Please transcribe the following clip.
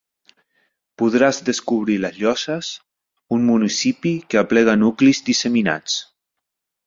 Podràs descobrir les Llosses, un municipi que aplega nuclis disseminats.